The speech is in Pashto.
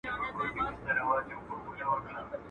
سپور د پلي په حال څه خبر دئ.